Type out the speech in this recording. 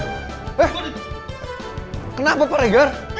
eh kenapa pak regar